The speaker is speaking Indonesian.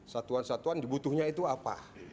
satuan satuan dibutuhnya itu apa